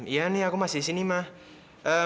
iya nih aku masih di sini mah